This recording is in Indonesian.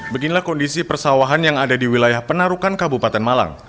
beginilah kondisi persawahan yang ada di wilayah penarukan kabupaten malang